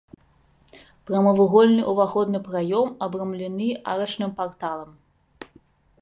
Прамавугольны ўваходны праём абрамлены арачным парталам.